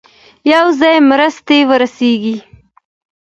پوځي مرستي ورسیږي.